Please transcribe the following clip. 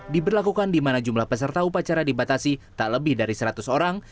diberlakukan di mana jumlah peserta upacara dibatasi tak lebih dari seratus orang